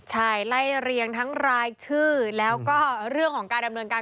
ใช่ไล่เรียงทั้งรายชื่อแล้วก็เรื่องของการดำเนินการ